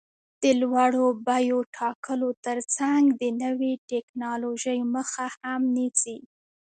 د لوړو بیو ټاکلو ترڅنګ د نوې ټکنالوژۍ مخه هم نیسي.